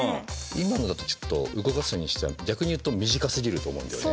今のだとちょっと動かすにしては逆に言うと短すぎると思うんだよね。